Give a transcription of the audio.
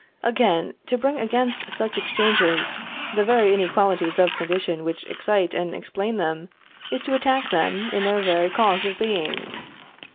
Again, to bring against such exchanges the very inequalities of condition which excite and explain them, is to attack them in their very cause of being.